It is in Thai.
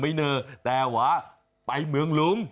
ไม่เนอร์แต่ว่าไปเมืองลุง